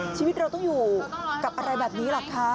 ชีวิตเราต้องอยู่กับอะไรแบบนี้ล่ะคะ